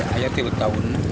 hanya tiga tahun